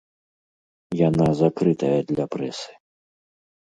Яна закрытая для прэсы.